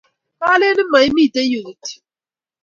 koaleni muimite yue kityo